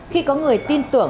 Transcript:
khi có người tin tưởng